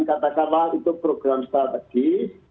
katakanlah itu program strategis